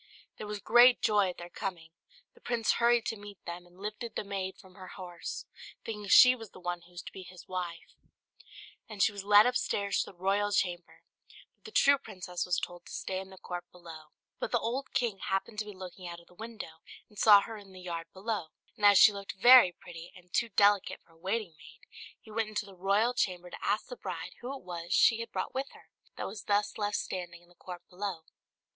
There was great joy at their coming, the prince hurried to meet them, and lifted the maid from her horse, thinking she was the one who was to be his wife; and she was led upstairs to the royal chamber, but the true princess was told to stay in the court below. But the old king happened to be looking out of the window, and saw her in the yard below; and as she looked very pretty, and too delicate for a waiting maid, he went into the royal chamber to ask the bride who it was she had brought with her, that was thus left standing in the court below.